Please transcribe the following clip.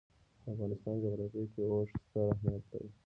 د افغانستان جغرافیه کې اوښ ستر اهمیت لري.